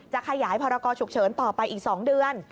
ขยายพรกรฉุกเฉินต่อไปอีก๒เดือน